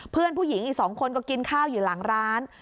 เพื่อนผู้หญิงอีก๒คนก็กินข้าวอยู่หลังร้าน